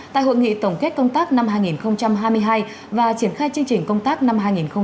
tại hội nghị tổng kết công tác năm hai nghìn hai mươi hai và triển khai chương trình công tác năm hai nghìn hai mươi bốn